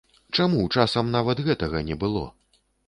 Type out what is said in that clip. Чаму часам нават гэтага не было?